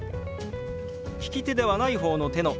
利き手ではない方の手の親指